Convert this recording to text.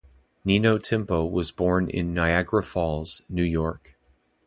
Nino Tempo was born in Niagara Falls, New York.